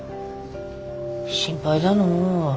心配だの。